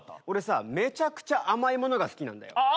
俺さめちゃくちゃ甘いものが好きなんだよ。